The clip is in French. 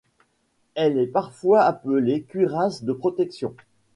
Elle est parfois appelée cuirasse de protection.